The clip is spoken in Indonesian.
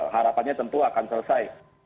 harapannya tentu akan selesai